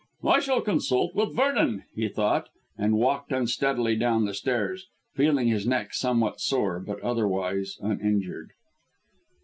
"I shall consult with Vernon," he thought, and walked unsteadily down the stairs, feeling his neck somewhat sore, but otherwise uninjured.